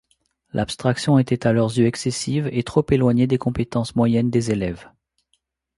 L'abstraction était à leurs yeux excessive et trop éloignée des compétences moyennes des élèves.